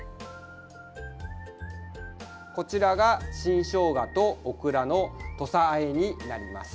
こちらが新しょうがとオクラの土佐あえになります。